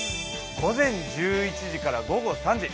午前１１時から午後３時。